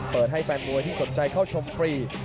เปิดให้แฟนมวยที่สนใจเข้าชมฟรี